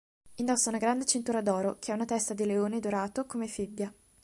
Indossa una grande cintura d'oro, che ha una testa di leone dorato come fibbia.